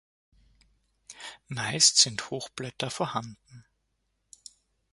Meist sind Hochblätter vorhanden.